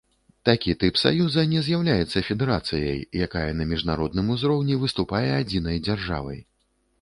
Такі тып саюза не з'яўляецца федэрацыяй, якая на міжнародным узроўні выступае адзінай дзяржавай.